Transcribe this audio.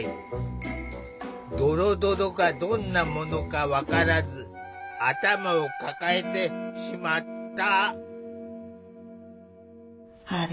ドロドロがどんなものか分からず頭を抱えてしまった。